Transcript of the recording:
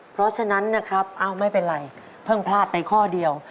เพราะฉะนั้นนะครับอ้าวไม่เป็นไรเพิ่งพลาดไปข้อเดียว